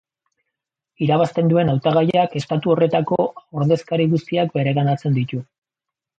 Irabazten duen hautagaiak estatu horretan ordezkari guztiak bereganatzen ditu.